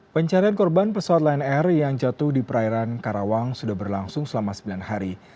pencarian korban pesawat lion air yang jatuh di perairan karawang sudah berlangsung selama sembilan hari